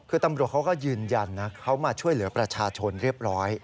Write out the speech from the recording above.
คือตำรวจเขาก็ยืนยันนะเขามาช่วยเหลือประชาชนเรียบร้อย